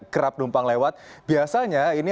kerap numpang lewat biasanya ini